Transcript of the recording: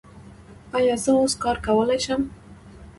ایا زه اوس کار کولی شم؟